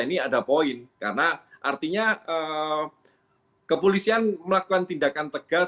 ini ada poin karena artinya kepolisian melakukan tindakan tegas